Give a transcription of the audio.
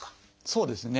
そうですね。